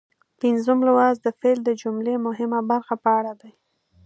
پنځم لوست د فعل د جملې مهمه برخه په اړه دی.